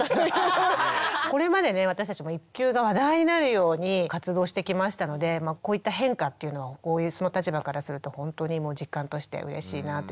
これまでね私たちも育休が話題になるように活動してきましたのでこういった変化っていうのは応援する立場からするとほんとに実感としてうれしいなというふうに思いますし。